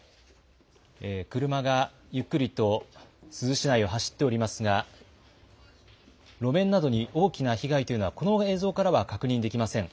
車がゆっくりと珠洲市内を走っておりますが、路面などに大きな被害というのは、この映像からは確認できません。